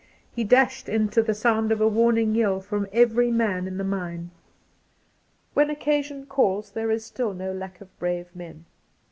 He dashed in to the sound of a warning yell from every man in the mine. When occasion calls there is stitl no lack of brave men.